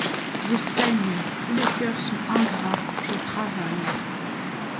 Je saigne ; tous les coeurs sont ingrats ; je travaille